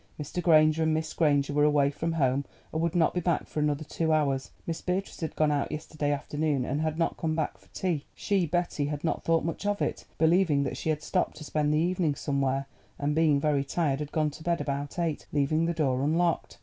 Mr. Granger and Miss Granger were away from home, and would not be back for another two hours. Miss Beatrice had gone out yesterday afternoon, and had not come back to tea. She, Betty, had not thought much of it, believing that she had stopped to spend the evening somewhere, and, being very tired, had gone to bed about eight, leaving the door unlocked.